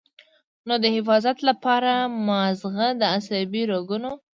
نو د حفاظت له پاره مازغۀ د عصبي رګونو